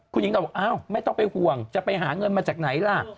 คุณหญิงหน่อยบอกอ้าวไม่ต้องไปห่วงจะไปหาเงินมาจากไหนล่ะ